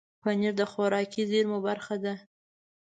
پنېر د خوراکي زېرمو برخه ده.